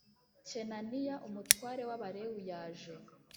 Kenaniya umutware w Abalewi yaje